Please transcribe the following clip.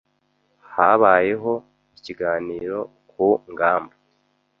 Habayeho ikiganiro ku ngamba.